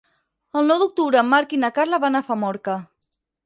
El nou d'octubre en Marc i na Carla van a Famorca.